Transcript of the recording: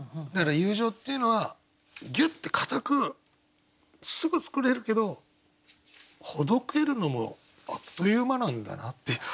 だから友情っていうのはギュッて固くすぐ作れるけどほどけるのもあっという間なんだなって。